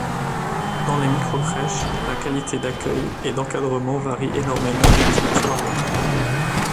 Dans les micro-crèches la qualité d'accueil et d'encadrement varie énormément d'une structure à l'autre.